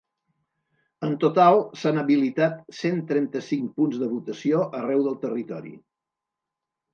En total s’han habilitat cent trenta-cinc punts de votació arreu del territori.